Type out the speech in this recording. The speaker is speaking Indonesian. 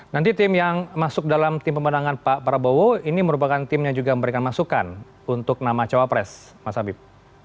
nanti tim yang masuk dalam tim pemenangan pak prabowo ini merupakan tim yang juga memberikan masukan untuk nama cawapres mas habib